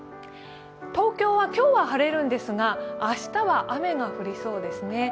東京は今日は晴れるんですが明日は雨が降りそうですね。